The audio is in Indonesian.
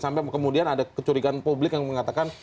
sampai kemudian ada kecurigaan publik yang mengatakan